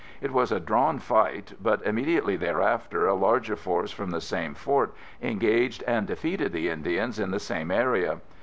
It was a drawn fight, but immediately thereafter a larger force from the same fort engaged and defeated the Indians in the same area.